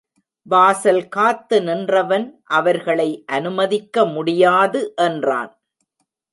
வாசல் காத்து நின்றவன் அவர்களை அனுமதிக்க முடியாது என்றான்.